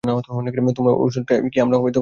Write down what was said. তোমার ওষুধ খাইলেই কি অমর হইয়া থাকিব।